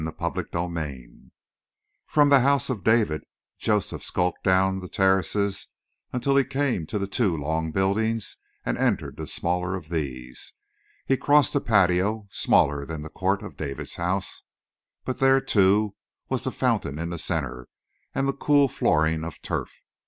CHAPTER TWELVE From the house of David, Joseph skulked down the terraces until he came to the two long buildings and entered the smaller of these. He crossed a patio, smaller than the court of David's house; but there, too, was the fountain in the center and the cool flooring of turf.